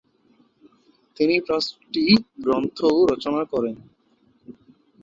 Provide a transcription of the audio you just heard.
তিনি পাঁচটি গ্রন্থও রচনা করেন।